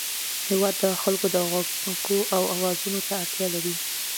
هېواد د خلکو د غوږ او اواز ته اړتیا لري.